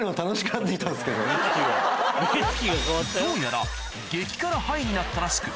どうやら激辛ハイになったらしく